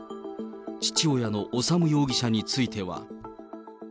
父親の修容疑者については。